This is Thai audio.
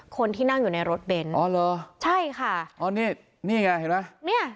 คนที่นั่งอยู่ในรถเบนท์อ๋อเหรอใช่ค่ะอ๋อนี่นี่ไงเห็นไหมเนี่ย